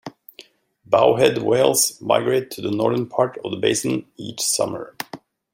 Bowhead whales migrate to the northern part of the basin each summer.